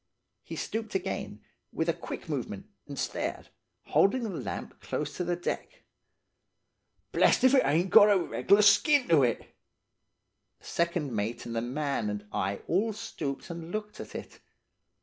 He stooped again, with a quick movement, and stared, holding the lamp close to the deck. 'Blest if it ain't a reg'lar skin to it!' "The second mate and the man and I all stooped and looked at it.